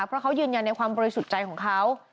เพราะเขายืนยันในความบริสุทธิ์ใจของเขา